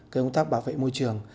công tác bảo vệ môi trường